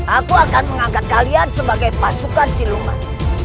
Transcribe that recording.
aku akan mengangkat kalian sebagai pasukan cilumat